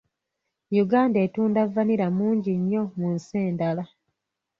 Uganda etunda vanilla mungi nnyo mu nsi endala.